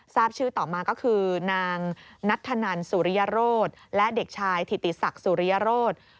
ทราบชื่อต่อมาก็คือนางนัทธนันสุริยโรธและเด็กชายถิติศักดิ์สุริยโรธ